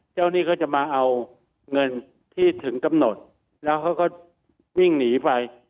หนี้ก็จะมาเอาเงินที่ถึงกำหนดแล้วเขาก็วิ่งหนีไป